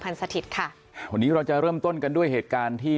สถิตย์ค่ะวันนี้เราจะเริ่มต้นกันด้วยเหตุการณ์ที่